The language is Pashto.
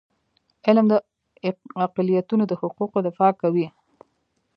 علم د اقلیتونو د حقونو دفاع کوي.